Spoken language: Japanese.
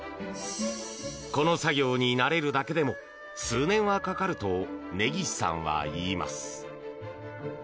この作業に慣れるだけでも数年はかかると根岸さんは言います。